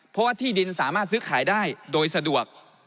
เพราะว่าที่ดินสามารถซื้อขายได้โดยสะดวก